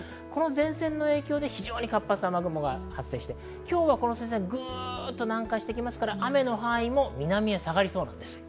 その影響で活発な雨雲が発生して、今日はぐっと南下してきますから雨の範囲も南へ下がりそうです。